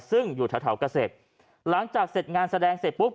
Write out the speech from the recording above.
ซึ่งอยู่แถวเกษตรหลังจากเสร็จงานแสดงเสร็จปุ๊บ